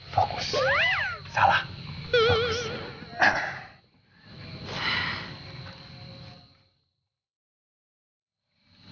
fokus salah fokus